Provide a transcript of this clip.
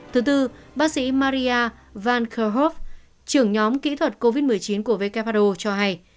thứ tư bác sĩ maria van koehoff trưởng nhóm kỹ thuật covid một mươi chín của vkpro cho hay